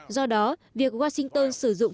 do đó việc washington xử dụng